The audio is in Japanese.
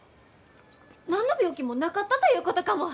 何の病気もなかったということかも！